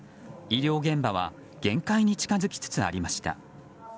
医療現場は限界に近付きつつありました。